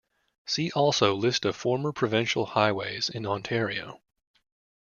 See also List of former provincial highways in Ontario.